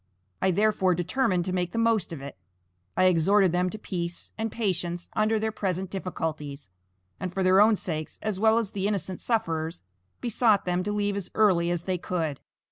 I, therefore, determined to make the most of it. I exhorted them to peace and patience under their present difficulties, and for their own sakes as well as the innocent sufferers, besought them to leave as early as they could.